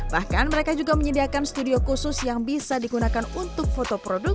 bahkan mereka juga menyediakan studio khusus yang bisa digunakan untuk foto produk